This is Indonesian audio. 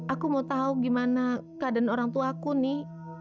aku mau tahu gimana keadaan orangtuaku nek